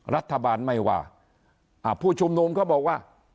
รัฐบาลไม่ว่าผู้ชุมนุมเขาบอกว่า